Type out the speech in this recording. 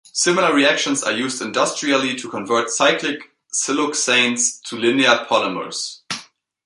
Similar reactions are used industrially to convert cyclic siloxanes to linear polymers.